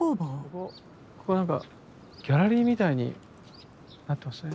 ここ何かギャラリーみたいになってますね。